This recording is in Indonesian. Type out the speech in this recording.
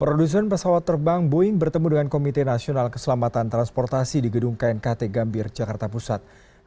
produsen pesawat terbang boeing bertemu dengan komite nasional keselamatan transportasi di gedung knkt gambir jakarta pusat